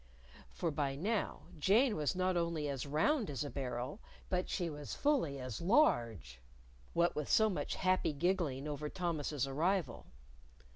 For by now Jane was not only as round as a barrel, but she was fully as large what with so much happy giggling over Thomas's arrival.